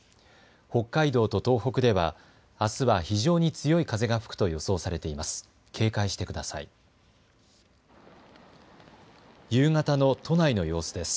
北海道と東北ではあすは非常に強い風が吹くと予想されています。